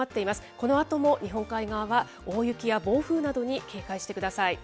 このあとも日本海側は大雪や暴風などに警戒してください。